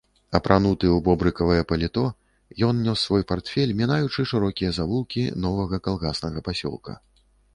Апрануты ў бобрыкавае паліто, ён нёс свой партфель, мінаючы шырокія завулкі новага калгаснага пасёлка.